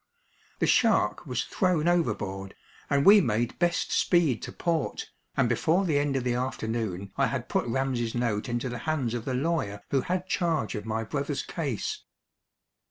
The shark was thrown overboard, and we made best speed to port, and before the end of the afternoon I had put Ramsey's note into the hands of the lawyer who had charge of my brother's case.